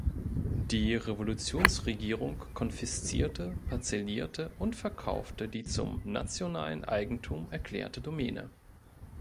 Die Revolutionsregierung konfiszierte, parzellierte und verkaufte die zum "Nationalen Eigentum" erklärte Domäne.